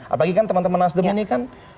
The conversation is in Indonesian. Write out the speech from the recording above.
apalagi kan teman teman nasdem ini kan